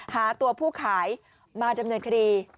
หาตัวผู้ขายมาดำเนินคดี